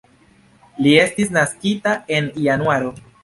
Li estis naskita en Januaro.